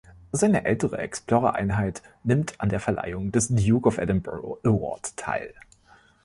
Seine ältere Explorer-Einheit nimmt an der Verleihung des Duke of Edinburgh Award teil.